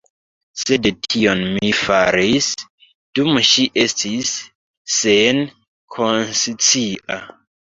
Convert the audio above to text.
Sed tion mi faris, dum ŝi estis senkonscia.